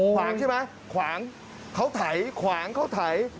ขวางใช่ไหมขวางเขาไถขวางเขาไถ